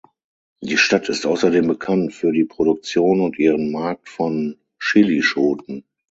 Die Stadt ist außerdem bekannt für die Produktion und ihren Markt von Chilischoten.